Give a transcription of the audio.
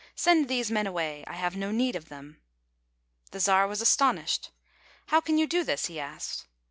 Send these men away. I have no need of them." The Czar was astonished. " How can you do this ?" he asked.